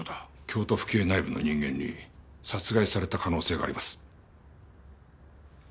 京都府警内部の人間に殺害された可能性があります。